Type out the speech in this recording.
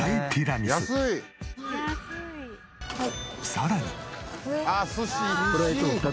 さらに。